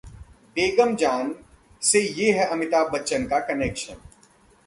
'बेगम जान' से ये है अमिताभ बच्चन का कनेक्शन